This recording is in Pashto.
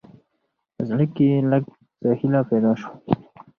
په زړه، کې يې لېږ څه هېله پېدا شوه.